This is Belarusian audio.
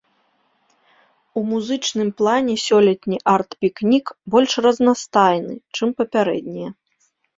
У музычным плане сёлетні арт-пікнік больш разнастайны, чым папярэднія.